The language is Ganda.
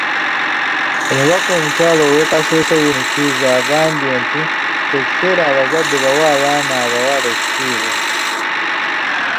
Omubaka omukyala ow'e Kasese, Winnie Kiiza agambye nti ky'ekiseera abazadde bawe abaana abawala ekitiibwa.